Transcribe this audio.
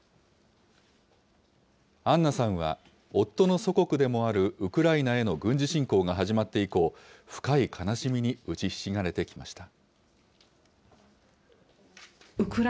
アンナさんは、夫の祖国でもあるウクライナへの軍事侵攻が始まって以降、深い悲しみに打ちひしがれてきました。